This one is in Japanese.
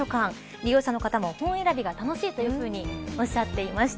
利用者の方も、本選びが楽しいとおっしゃっていました。